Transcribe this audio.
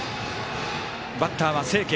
バッターは清家。